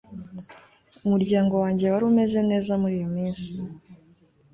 Umuryango wanjye wari umeze neza muri iyo minsi